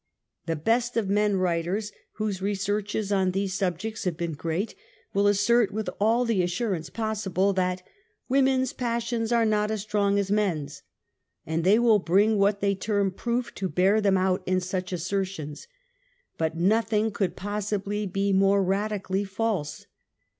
The best of men writers, whose researches on these subjects have been great, will assert with all the assurance possible, that "women's passions are not as strong as men's." And they will bring what they term proof to bear them out in such assertions, but nothing could possibly be more radically false.